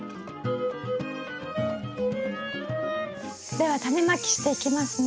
ではタネまきしていきますね。